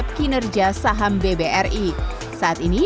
pengguna bang radia